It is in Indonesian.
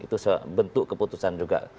itu bentuk keputusan juga